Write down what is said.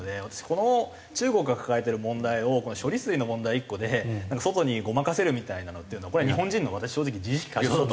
この中国が抱えてる問題をこの処理水の問題１個で外にごまかせるみたいなのっていうのはこれ日本人の私正直自意識過剰だと。